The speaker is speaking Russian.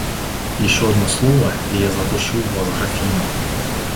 Еще одно слово - и я запущу в Вас графином.